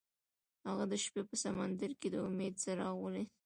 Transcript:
هغه د شپه په سمندر کې د امید څراغ ولید.